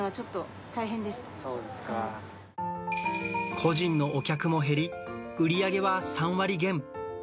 個人のお客も減り、売り上げは３割減。